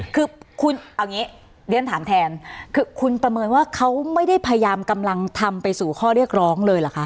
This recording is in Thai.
คือคุณเอาอย่างนี้เรียนถามแทนคือคุณประเมินว่าเขาไม่ได้พยายามกำลังทำไปสู่ข้อเรียกร้องเลยเหรอคะ